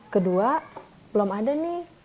kedua belum ada nih